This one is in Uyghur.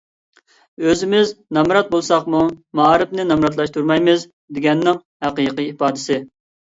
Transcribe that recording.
ئۆزىمىز نامرات بولساقمۇ مائارىپنى نامراتلاشتۇرمايمىز دېگەننىڭ ھەقىقىي ئىپادىسى